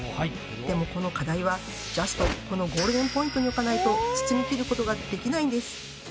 でもこの課題はジャストこのゴールデンポイントに置かないと包みきることができないんです！